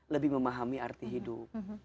lebih memahami arti hidup